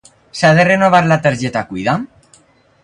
S'ha de renovar la targeta Cuida'm?